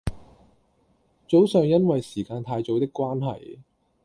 早上因為時間太早的關係